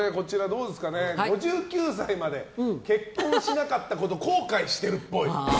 ５９歳まで結婚しなかったことを後悔してるっぽい。